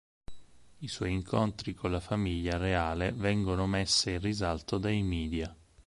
I suoi incontri con la famiglia reale vengono messe in risalto dai media.